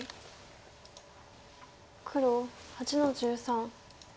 黒８の十三。